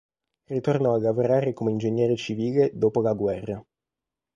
Ritornò a lavorare come ingegnere civile dopo la guerra.